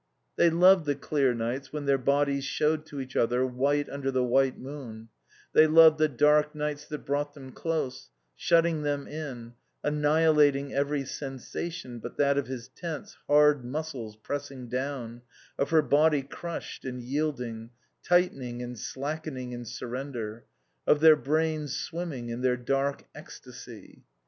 They loved the clear nights when their bodies showed to each other white under the white moon; they loved the dark nights that brought them close, shutting them in, annihilating every sensation but that of his tense, hard muscles pressing down, of her body crushed and yielding, tightening and slackening in surrender; of their brains swimming in their dark ecstasy.